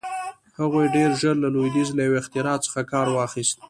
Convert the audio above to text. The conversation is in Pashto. هغوی ډېر ژر له لوېدیځ له یوې اختراع څخه کار واخیست.